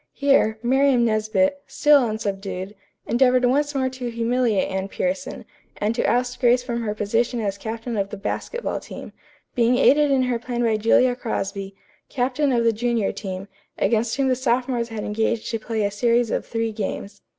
Here, Miriam Nesbit, still unsubdued, endeavored once more to humiliate Anne Pierson, and to oust Grace from her position as captain of the basketball team, being aided in her plan by Julia Crosby, captain of the junior team, against whom the sophomores had engaged to play a series of three games.